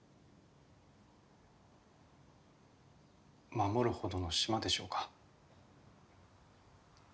守るほどの島でしょうか？